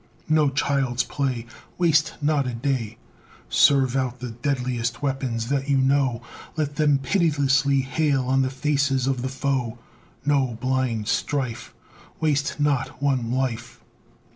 No child's play! Waste not a day; Serve out the deadliest weapons that you know; Let them pitilessly hail on the faces of the foe; No blind strife; Waste not one life.